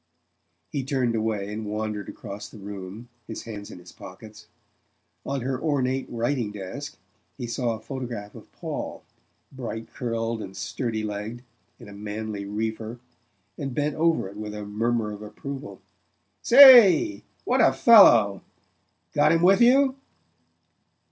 He turned away and wandered across the room, his hands in his pockets. On her ornate writing desk he saw a photograph of Paul, bright curled and sturdy legged, in a manly reefer, and bent over it with a murmur of approval. "Say what a fellow! Got him with you?"